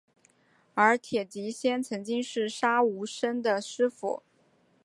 而铁笛仙曾经是杀无生的师父。